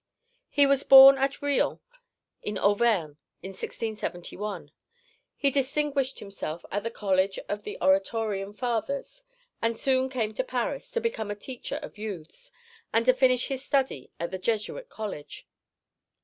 He was born at Riom, in Auvergne, in 1671; he distinguished himself at the college of the Oratorian fathers, and soon came to Paris to become a teacher of youths and to finish his studies at the Jesuit College.